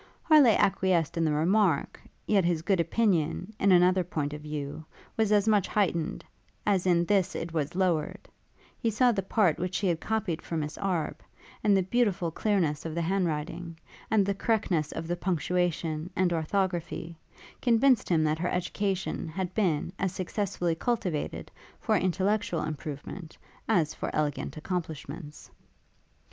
Harleigh acquiesced in the remark; yet his good opinion, in another point of view, was as much heightened, as in this it was lowered: he saw the part which she had copied for Miss Arbe; and the beautiful clearness of the hand writing, and the correctness of the punctuation and orthography, convinced him that her education had been as successfully cultivated for intellectual improvement, as for elegant accomplishments.